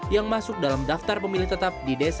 yang masuk dalam daftar pemilih tetap di desa